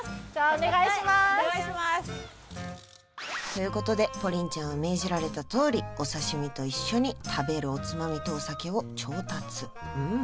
お願いしますということでＰＯＲＩＮちゃんは命じられたとおりお刺身と一緒に食べるおつまみとお酒を調達うん